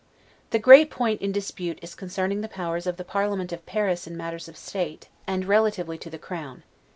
The great point in dispute is concerning the powers of the parliament of Paris in matters of state, and relatively to the Crown.